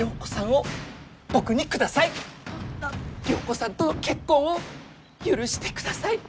良子さんとの結婚を許してください！